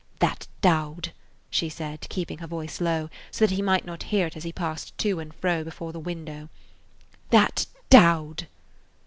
"That dowd!" she said, keeping her voice low, so that he might not hear it as he passed to and fro before the window. "That dowd!"